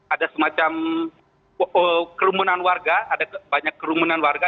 ada semacam kerumunan warga ada banyak kerumunan warga